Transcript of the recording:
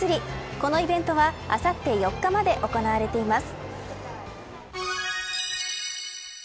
このイベントはあさって４日まで行われています。